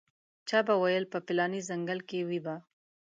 چا به ویل په پلاني ځنګل کې وي به.